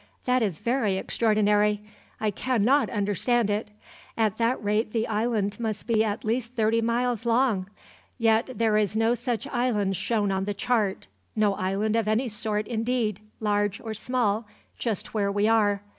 "That is very extraordinary. I cannot understand it. At that rate the island must be at least thirty miles long! Yet there is no such island shown on the chart; no island of any sort, indeed, large or small, just where we are.